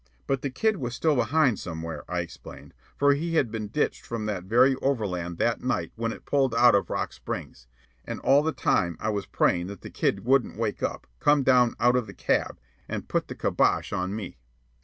But the kid was still behind somewhere, I explained, for he had been ditched from that very overland that night when it pulled out of Rock Springs. And all the time I was praying that the kid wouldn't wake up, come down out of the cab, and put the "kibosh" on me.